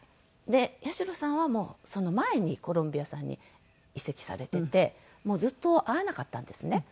で八代さんはもうその前にコロムビアさんに移籍されててもうずっと会わなかったんですね。